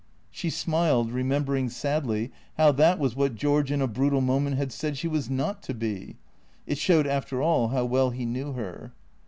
She smiled, remembering sadly how that was what George in a brutal moment had said she was not to be. It showed after all how well he knew her.